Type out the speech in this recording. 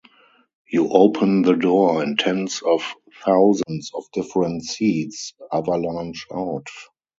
You open the door and tens of thousands of different seeds avalanche out.